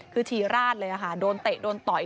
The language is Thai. คือฉี่ราดเลยค่ะโดนเตะโดนต่อย